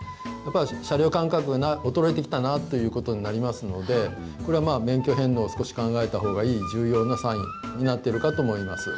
車両感覚が衰えてきたなということになりますのでこれは免許返納を少し考えたほうがいい重要なサインになっているかと思います。